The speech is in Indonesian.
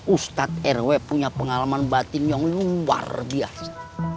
ustadz rw punya pengalaman batin yang luar biasa